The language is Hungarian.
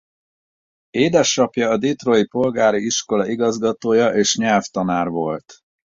Édesapja a ditrói polgári iskola igazgatója és nyelvtanár volt.